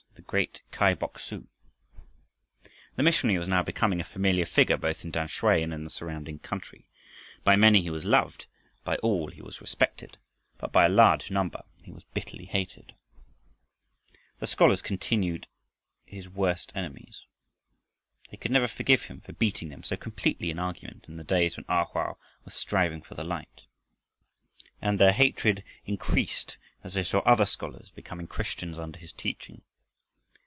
THE GREAT KAI BOK SU The missionary was now becoming a familiar figure both in Tamsui and in the surrounding country. By many he was loved, by all he was respected, but by a large number he was bitterly hated. The scholars continued his worst enemies. They could never forgive him for beating them so completely in argument, in the days when A Hoa was striving for the light, and their hatred increased as they saw other scholars becoming Christians under his teaching.